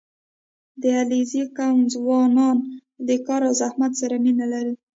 • د علیزي قوم ځوانان د کار او زحمت سره مینه لري.